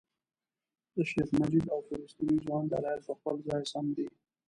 د شیخ مجید او فلسطیني ځوان دلایل په خپل ځای سم دي.